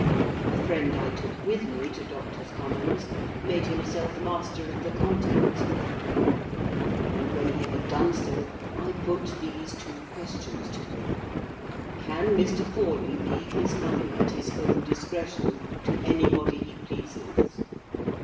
The friend I took with me to Doctors' Commons, made himself master of the contents of that will; and when he had done so, I put these two questions to him. 'Can Mr. Forley leave his money at his own discretion to anybody he pleases?